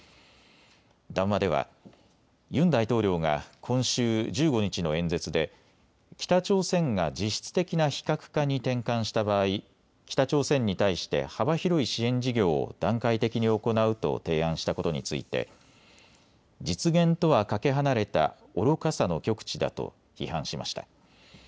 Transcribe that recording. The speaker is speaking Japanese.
談話ではユン大統領が今週１５日の演説で北朝鮮が実質的な非核化に転換した場合、北朝鮮に対して幅広い支援事業を段階的に行うと提案したことについて実現とはかけ離れた愚かさの極致だと批判しました。